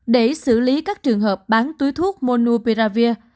để xử lý các trường hợp bán túi thuốc monopiravir